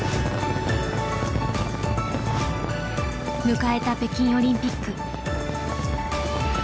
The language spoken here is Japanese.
迎えた北京オリンピック。